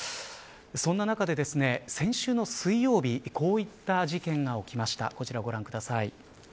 そんな中で、先週の水曜日こういった事件が起きました。